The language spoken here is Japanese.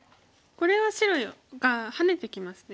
これは白がハネてきますね。